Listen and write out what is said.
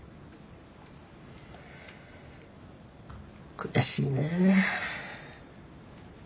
悔しいねえ。